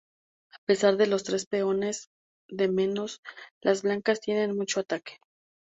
A pesar de los tres peones de menos, las blancas tienen mucho ataque.